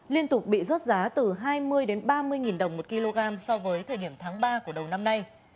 liên tục bị rớt giá từ hai mươi ba mươi nghìn đồng một kg so với thời điểm tháng ba của đầu năm nay